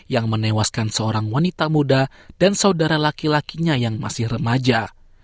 yang menewaskan seorang wanita muda dan saudara laki lakinya yang masih remaja